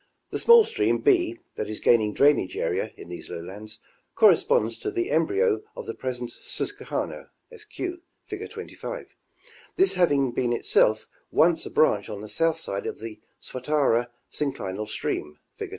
The small stream, B, that is gaining drainage area in these lowlands, corresponds to the embryo of the present Susquehanna, Sq, fig. 25, this having been itself once a branch on the south side of the Swatara synclinal stream, fig.